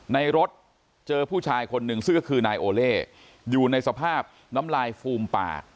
ในรถเจอผู้ชายคนหนึ่งซึ่งก็คือนายโอเล่อยู่ในสภาพน้ำลายฟูมปาก